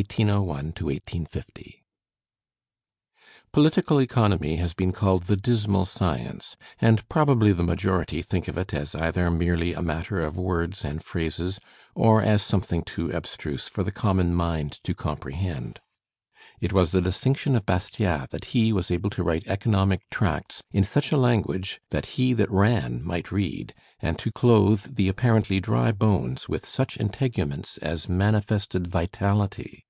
FRÉDÉRIC BASTIAT (1801 1850) Political economy has been called the "dismal science"; and probably the majority think of it as either merely a matter of words and phrases, or as something too abstruse for the common mind to comprehend. It was the distinction of Bastiat that he was able to write economic tracts in such a language that he that ran might read, and to clothe the apparently dry bones with such integuments as manifested vitality.